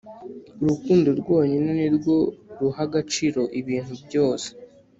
urukundo rwonyine ni rwo ruha agaciro ibintu byose.